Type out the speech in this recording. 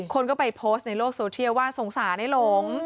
คนก็ไปโพสต์ในโลกโซเทียลว่าสงสารไอ้หลง